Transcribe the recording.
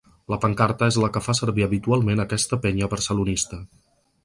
La pancarta és la que fa servir habitualment aquesta penya barcelonista.